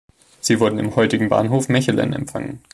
Sie wurden im heutigen Bahnhof Mechelen empfangen.